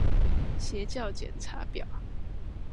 邪教檢查表